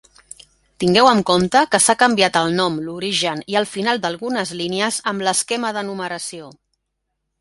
Tingueu en compte que s'ha canviat el nom, l'origen i el final d'algunes línies amb l'esquema de numeració.